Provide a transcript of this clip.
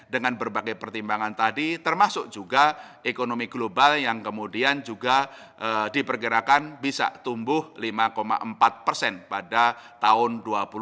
dengan berbagai pertimbangan tadi termasuk juga ekonomi global yang kemudian juga diperkirakan bisa tumbuh lima empat persen pada tahun dua ribu dua puluh